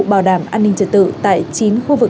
bảo đảm an ninh trật tự tại chín khu vực